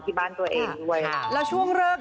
ที่บ้านตัวเองด้วย